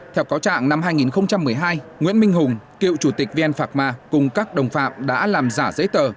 theo cáo trạng năm hai nghìn một mươi hai nguyễn minh hùng cựu chủ tịch vn phạc ma cùng các đồng phạm đã làm giả giấy tờ